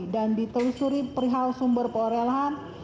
dan ditelusuri perihal sumber perelahan